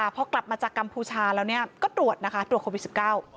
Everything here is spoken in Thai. พอกลับมาจากกัมพูชาแล้วก็ตรวจโควิด๑๙